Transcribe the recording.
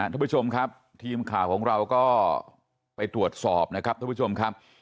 ทุกผู้ชมครับทีมข่าวของเราก็ไปตรวจสอบนะครับท่านผู้ชมครับ